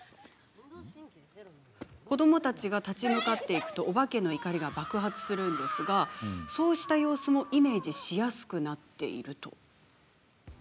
子どもたちが立ち向かっていくとおばけの怒りが爆発するんですがその様子もイメージしやすくなっています。